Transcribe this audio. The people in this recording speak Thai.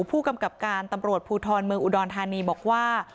ผู้กำกับการตำรวจภูทรเมืองอุดรธานีบอกว่า